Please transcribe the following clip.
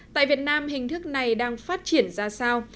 tại việt nam hình thức này đang phát triển ra sao